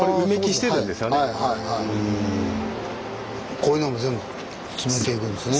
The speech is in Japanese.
こういうのも全部詰めていくんですね。